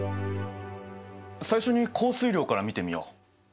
最初に降水量から見てみよう。